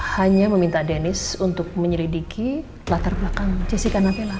hanya meminta dennis untuk menyelidiki latar belakang jessica navila